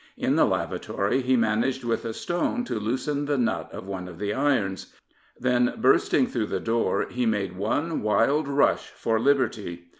In the lavatory he managed with a stone to loosen the nut of one of the irons. Then, bursting through the door, he made one wild rush for liberty.